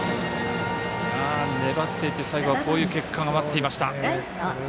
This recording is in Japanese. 粘っていって、最後はこういう結果が待っていました。